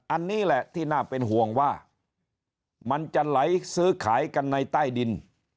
อันนี้แหละที่น่าเป็นห่วงว่ามันจะไหลซื้อขายกันในใต้ดิน